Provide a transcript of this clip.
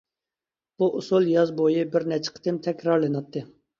بۇ ئۇسۇل ياز بويى بىر نەچچە قېتىم تەكرارلىناتتى.